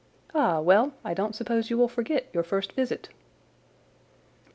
Ah, well, I don't suppose you will forget your first visit."